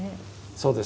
そうです。